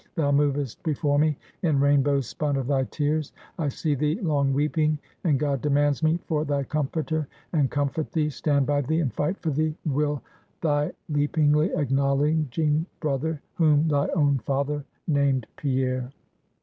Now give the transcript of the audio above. Thou movest before me, in rainbows spun of thy tears! I see thee long weeping, and God demands me for thy comforter; and comfort thee, stand by thee, and fight for thee, will thy leapingly acknowledging brother, whom thy own father named Pierre!"